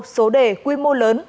số đề quy mô lớn